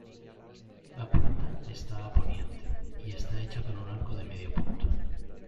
La puerta está a poniente, y está hecha con un arco de medio punto.